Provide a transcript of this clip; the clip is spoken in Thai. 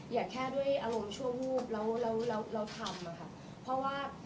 อย่าแค่ด้วยอารมณ์ชั่ววูบแล้วเราทำอะค่ะเพราะว่า